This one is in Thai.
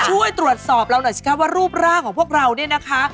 ช่วยตรวจสอบเราหน่อยสิคะว่ารูปร่างของพวกเราเนี่ยนะคะ